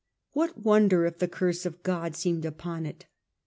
What wonder if the curse of God seemed upon it?